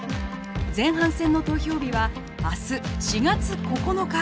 前半戦の投票日は明日４月９日！